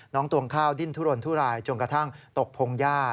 ตวงข้าวดิ้นทุรนทุรายจนกระทั่งตกพงหญ้า